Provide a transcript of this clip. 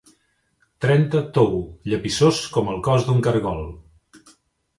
Trenta tou, llepissós com el cos d'un cargol.